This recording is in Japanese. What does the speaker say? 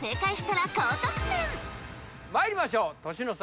まいりましょう年の差！